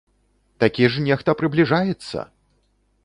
Такі ж нехта прыбліжаецца!